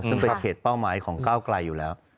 ซึ่งเป็นเขตเป้าหมายของก้าวไกลอยู่แล้ว